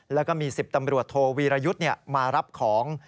แล้วก็มี๑๐ตำรวจโทวีรยุทธ์มารับของ